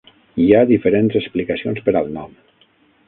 Hi ha diferents explicacions per al nom.